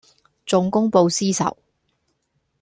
仲公報私仇